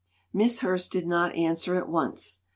Miss Hurst did not answer at once.